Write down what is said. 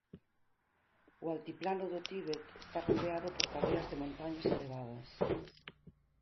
O altiplano do Tíbet está rodeado por cadeas de montañas elevadas.